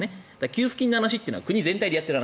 給付金の話というのは国全体の話ですと。